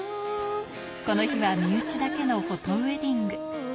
この日は身内だけのフォトウエディング。